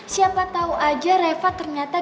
siapa tahu aja reva ternyata